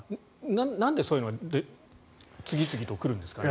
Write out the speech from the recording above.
なんでそういうのが次々と来るんですかね。